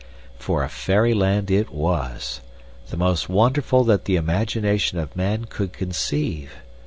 For a fairyland it was the most wonderful that the imagination of man could conceive.